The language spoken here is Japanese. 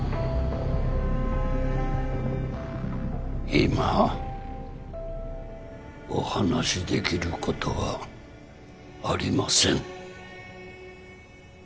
今お話しできることはありません